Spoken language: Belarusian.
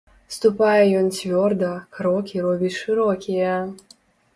Ступае ён цвёрда, крокі робіць шырокія.